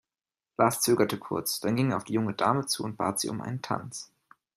Lars zögerte kurz, dann ging er auf die junge Dame zu und bat sie um einen Tanz.